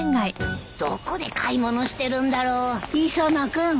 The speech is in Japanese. どこで買い物してるんだろう・磯野君。